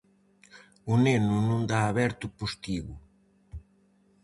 O neno non dá aberto o postigo.